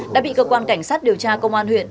đã bị cơ quan cảnh sát điều tra công an huyện